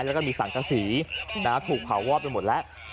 แล้วก็มีสางกระศรีนะคะถูกเผาว่อไปหมดแล้ว